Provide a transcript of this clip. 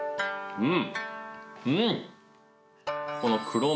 うん。